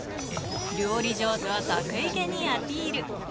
料理上手を得意げにアピール。